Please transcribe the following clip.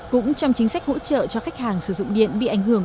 cũng trong chính sách hỗ trợ cho khách hàng sử dụng điện bị ảnh hưởng